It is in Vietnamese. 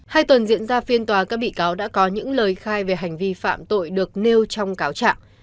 hai tuần diễn ra phiên tòa các bị cáo đã có những lời khai về hành vi phạm tội được nêu trong cáo trạng